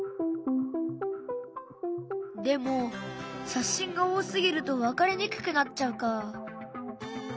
でも写真が多すぎると分かりにくくなっちゃうか。